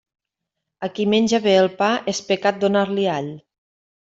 A qui menja bé el pa, és pecat donar-li all.